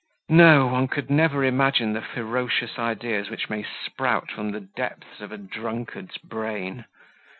No, one could never imagine the ferocious ideas which may sprout from the depths of a drunkard's brain.